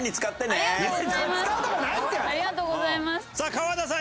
河田さん